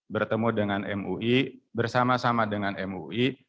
bertemu dengan mui bersama sama dengan mui